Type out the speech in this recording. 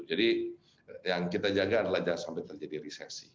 jadi yang kita jaga adalah jangan sampai terjadi resesi